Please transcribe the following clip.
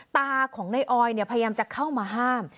ตาของนายออยพยายามจะเข้ามาห้าม